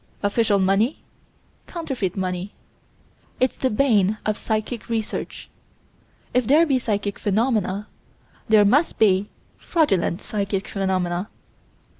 Official money counterfeit money. It's the bane of psychic research. If there be psychic phenomena, there must be fraudulent psychic phenomena.